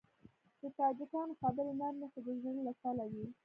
د تاجکانو خبرې نرمې خو د زړه له تله وي.